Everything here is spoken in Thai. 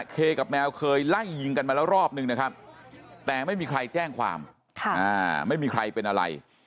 เคกับแมวเคยไล่ยิงกันมาแล้วรอบนึงนะครับแต่ไม่มีใครแจ้งความไม่มีใครเป็นอะไร